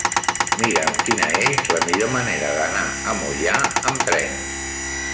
Mira'm quina és la millor manera d'anar a Moià amb tren.